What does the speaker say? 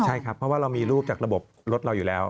ใช่ครับเพราะว่าเรามีรูปจากระบบรถเราอยู่แล้ว